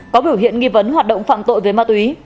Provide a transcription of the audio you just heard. có biểu hiện nghi vấn hoạt động phạm tội về ma túy